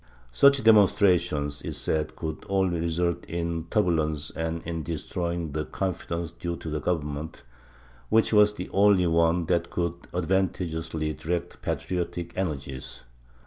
Such demonstrations, it said, could only result in turbulence and in destroying the confidence due to the govern ment, which was the only one that could advantageously direct patriotic energies.